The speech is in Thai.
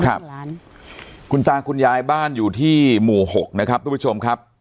ทุกร้านคุณตาคุณยายบ้านอยู่ที่หมู่หกนะครับทุกผู้ชมครับ